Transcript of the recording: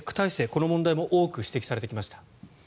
この問題も指摘されてきました。